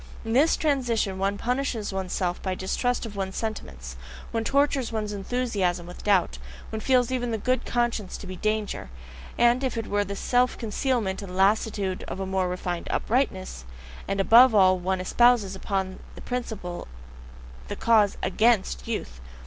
In this transition one punishes oneself by distrust of one's sentiments; one tortures one's enthusiasm with doubt, one feels even the good conscience to be a danger, as if it were the self concealment and lassitude of a more refined uprightness; and above all, one espouses upon principle the cause AGAINST "youth."